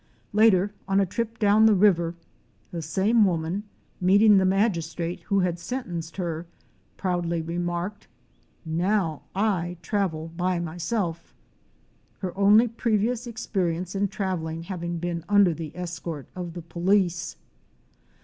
Later, on a trip down the river, the same woman, meeting the magistrate who had sentenced her, proudly remarked, "Now I travel by meself "'; her only previous experience in travelling having been under the escort of the police!